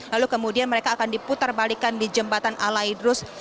lalu kemudian mereka akan diputar balikan di jembatan alaidrus